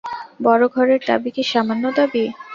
বড়ো ঘরের দাবি কি সামান্য দাবি।